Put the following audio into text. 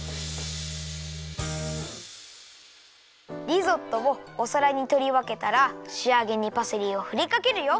リゾットをおさらにとりわけたらしあげにパセリをふりかけるよ。